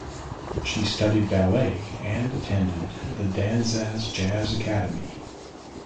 She studied ballet and attended the Danzas Jazz academy.